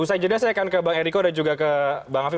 usai jeda saya akan ke bang eriko dan juga ke bang afif